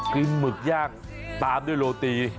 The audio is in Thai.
หมึกย่างตามด้วยโรตี